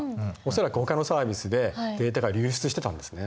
恐らくほかのサービスでデータが流出してたんですね。